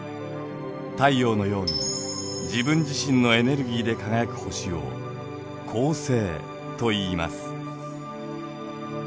太陽のように自分自身のエネルギーで輝く星を恒星といいます。